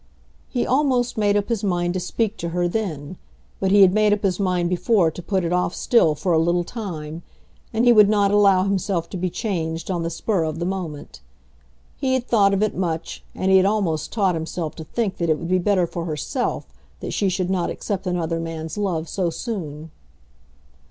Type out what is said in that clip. He almost made up his mind to speak to her then; but he had made up his mind before to put it off still for a little time, and he would not allow himself to be changed on the spur of the moment. He had thought of it much, and he had almost taught himself to think that it would be better for herself that she should not accept another man's love so soon.